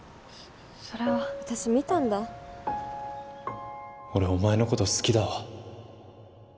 そそれは私見たんだ俺お前のこと好きだわ